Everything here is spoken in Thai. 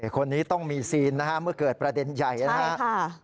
คนนี้ต้องมีซีนนะฮะเมื่อเกิดประเด็นใหญ่นะครับ